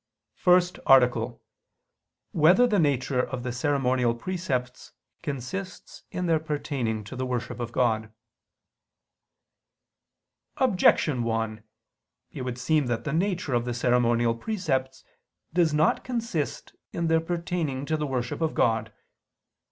________________________ FIRST ARTICLE [I II, Q. 101, Art. 1] Whether the Nature of the Ceremonial Precepts Consists in Their Pertaining to the Worship of God? Objection 1: It would seem that the nature of the ceremonial precepts does not consist in their pertaining to the worship of God.